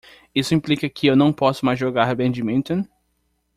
Isso implica que eu não posso mais jogar badminton?